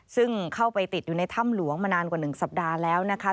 ซึ่งเข้าไปติดอยู่ในถ้ำหลวงมานานกว่า๑สัปดาห์แล้วนะคะ